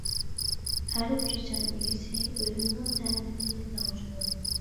ھەر بىر جان ئىگىسى ئۆلۈمنىڭ تەمىنى تېتىغۇچىدۇر!